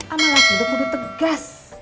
amalah gede kudu tegas